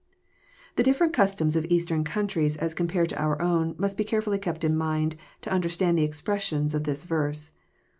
The diiferent customs of Eastern countries, as compared to our own, must be carefully kept in mind, to understand the expres sions of this vei*se.